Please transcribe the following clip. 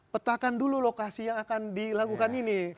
petakan dulu lokasi yang akan dilakukan ini